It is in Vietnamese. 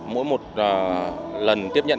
mỗi một lần tiếp nhận